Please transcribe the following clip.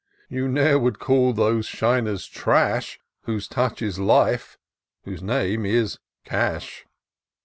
You ne'er would call those shiners trash. Whose touch is life — whose name is Cash."